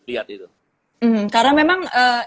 lihat itu karena memang